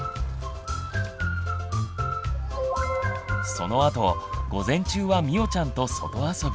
そのあと午前中はみおちゃんと外遊び。